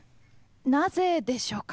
なぜでしょうか？